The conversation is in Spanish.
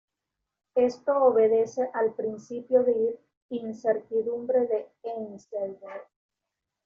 Esto obedece al principio de incertidumbre de Heisenberg.